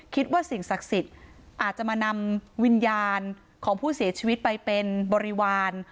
คิดว่าสิ่งศักดิ์สิทธิ์อาจจะมานำวิญญาณของผู้เสียชีวิตไปเป็นบริวาร